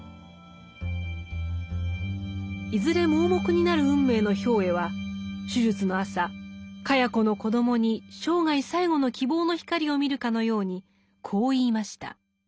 いずれ盲目になる運命の兵衛は手術の朝茅子の子どもに生涯最後の希望の光を見るかのようにこう言いました。